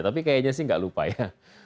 tapi kayaknya sih nggak lupa ya